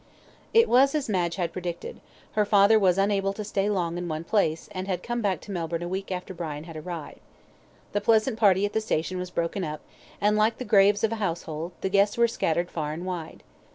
It was as Madge had predicted her father was unable to stay long in one place, and had come back to Melbourne a week after Brian had arrived. The pleasant party at the station was broken up, and, like the graves of a household, the guests were scattered far and wide.